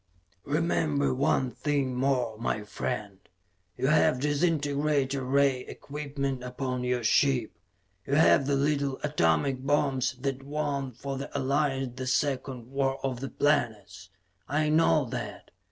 "Remember, one thing more, my friend: you have disintegrator ray equipment upon your ship. You have the little atomic bombs that won for the Alliance the Second War of the Planets. I know that.